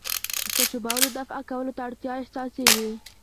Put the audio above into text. د تشو بولو دفع کولو ته اړتیا احساسېږي.